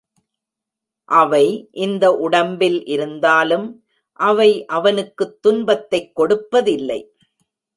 அவை இந்த உடம்பில் இருந்தாலும் அவை அவனுக்குத் துன்பத்தைக் கொடுப்பதில்லை.